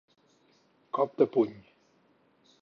Cop de puny.